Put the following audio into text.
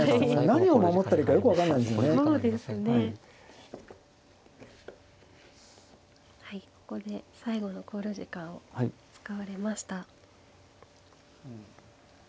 はいここで最後の考慮時間を使われました。